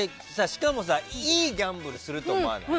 しかも、いいギャンブルすると思わない？